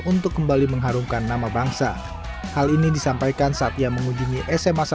untuk kembali mengharumkan nama bangsa hal ini disampaikan saat ia mengunjungi sma